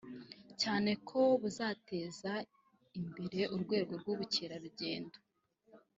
cyane ko buzateza imbere urwego rw’ubukerarugendo